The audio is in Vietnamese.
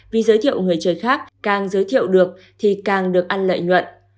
vì giới thiệu người chơi khác càng giới thiệu được thì càng được ăn lợi nhuận